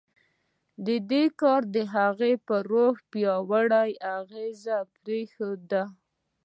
دې کار د هغه پر روح پیاوړی اغېز پرېښود